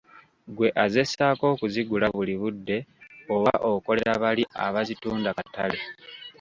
Ggwe azessaako okuzigula buli budde oba okolera bali abazitunda katale.